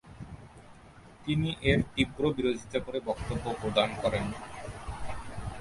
তিনি এর তীব্র বিরোধীতা করে বক্তব্য প্রদান করেন।